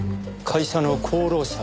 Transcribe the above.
会社の功労者？